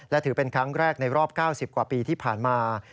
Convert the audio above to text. และถือเป็นครั้งแรกในรอบ๙๐กว่าปีที่ผ่านมา